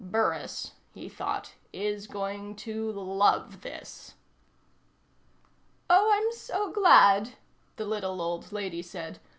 Burris, he thought, is going to love this. "Oh, I'm so glad," the little old lady said.